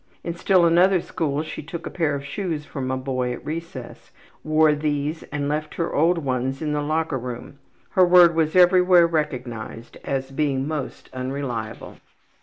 In still another school she took a pair of shoes from a boy at recess, wore these and left her old ones in the locker room. Her word was everywhere recognized as being most unreliable.